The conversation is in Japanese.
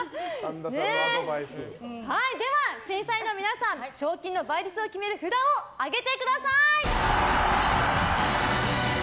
では、審査員の皆様賞金の倍率を決める札を上げてください！